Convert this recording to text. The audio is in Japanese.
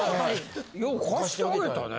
よう貸してあげたね？